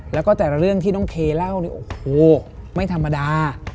แล้วก็แต่ละเรื่องที่น้องเคเล่าเนี่ยโอ้โหไม่ธรรมดา